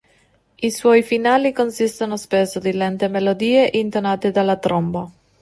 I suoi finali consistono spesso di lente melodie intonate dalla tromba.